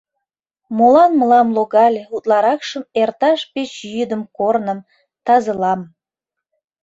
Молан мылам логале утларакшым Эрташ пич йӱдым корным, тазылам?